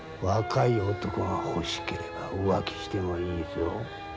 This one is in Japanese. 若い男が欲しければ浮気してもいいぞ。